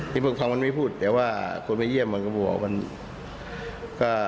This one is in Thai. พี่พกพังมันไม่พูดเดี๋ยวว่าคนไปเยี่ยมมันก็บอก